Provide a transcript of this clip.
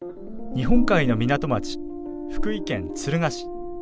日本海の港町、福井県敦賀市。